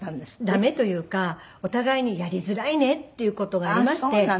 駄目というかお互いにやりづらいねっていう事がありまして。